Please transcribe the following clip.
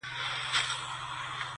خوشحال په دې دى چي دا ستا خاوند دی!!